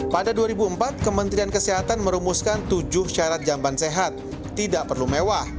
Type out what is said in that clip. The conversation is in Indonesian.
pada dua ribu empat kementerian kesehatan merumuskan tujuh syarat jamban sehat tidak perlu mewah